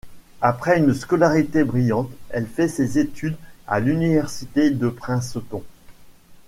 Après une scolarité brillante, elle fait ses études à l'université de Princeton.